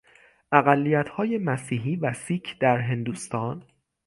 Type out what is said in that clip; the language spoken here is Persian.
اقلیتهای مسیحی و سیک در هندوستان